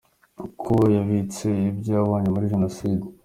Uko yabitse ibyo yabonye muri Jenoside….